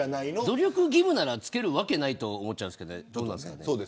努力義務なら着けるわけないと思っちゃうんですけど。